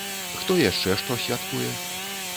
Хто яшчэ што святкуе?